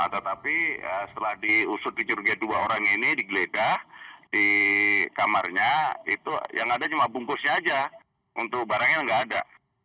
tetapi setelah diusut di curugg dua orang ini digeledah di kamarnya itu yang ada cuma bungkusnya aja untuk barangnya nggak ada